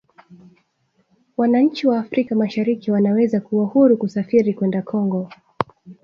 Wananchi wa Afrika Mashariki wanaweza kuwa huru kusafiri kwenda Kongo